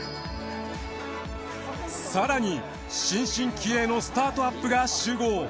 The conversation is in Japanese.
更に新進気鋭のスタートアップが集合。